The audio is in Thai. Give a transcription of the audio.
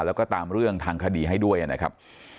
แล้วก็ตามเรื่องทางคดีให้ด้วยนะครับ